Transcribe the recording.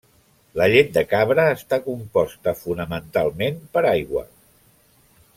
La llet de cabra està composta fonamentalment per aigua.